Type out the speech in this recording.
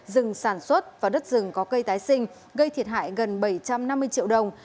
rừng sản xuất và đất rừng có cây tái sinh gây thiệt hại gần bảy trăm năm mươi triệu đồng